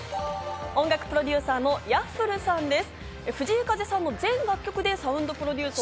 音楽プロデューサーのＹａｆｆｌｅさんです。